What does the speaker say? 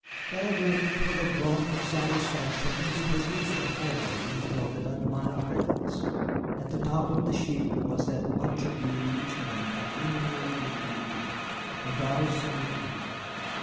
But at length, with a grunt of satisfaction, he produced a form and held it under my eyes. At the top of the sheet was that much abused and calumniated lady, the Goddess of Liberty.